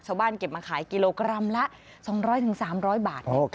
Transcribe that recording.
เก็บมาขายกิโลกรัมละ๒๐๐๓๐๐บาท